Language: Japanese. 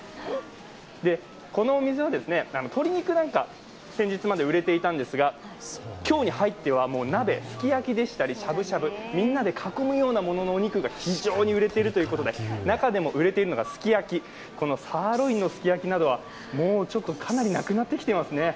このお店は鶏肉なんかは先日まで売れていたんですが、今日に入っては鍋、すき焼きでしたりしゃぶしゃぶ、みんなで囲むようなもののお肉が非常に売れているということで中でも売れているのがすき焼き、サーロインのすき焼きなどはかなりなくなってきていますね。